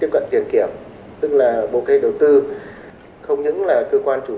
có nghĩa là giám sát sau